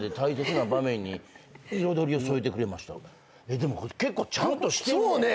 でも結構ちゃんとしてるね。